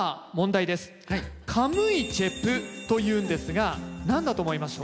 カムイチェプというんですが何だと思います？